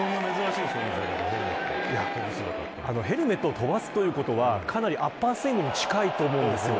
ヘルメットを飛ばすということはかなりアッパースイングに近いと思うんですよ。